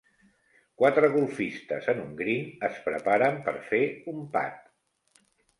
Quatre golfistes en un green es preparen per fer un putt.